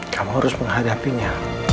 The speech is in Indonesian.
kamu harus menghadapinya